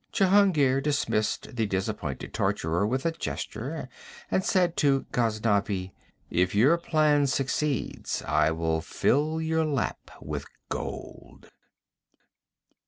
Jehungir dismissed the disappointed torturer with a gesture, and said to Ghaznavi: 'If your plan succeeds, I will fill your lap with gold.'